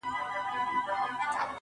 تا ولي په مسکا کي قهر وخندوئ اور ته.